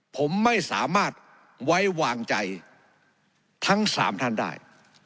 ผมไม่สามารถไว้วางใจทั้ง๓ท่านได้